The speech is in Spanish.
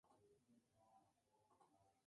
Cada "core" es capaz de manejar cuatro hilos.